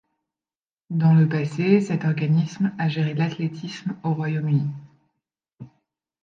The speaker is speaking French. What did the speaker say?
Dans le passé, cet organisme a géré l'athlétisme au Royaume-Uni.